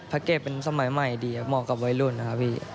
เกตเป็นสมัยใหม่ดีเหมาะกับวัยรุ่นนะครับพี่